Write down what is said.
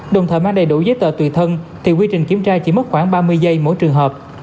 đồng thời mang đầy đủ giấy tờ tùy thân thì quy trình kiểm tra chỉ mất khoảng ba mươi giây mỗi trường hợp